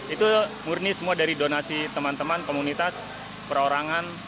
itu murni semua dari donasi teman teman komunitas perorangan